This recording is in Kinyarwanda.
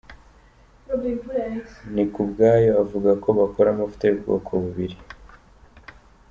Nikubwayo avuga ko bakora amavuta y’ubwoko bubiri.